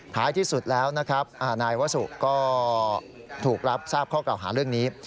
ท้ายที่สุดแล้วนะครับนายวสุก็ถูกรับทราบข้อเก่าหาเรื่องนี้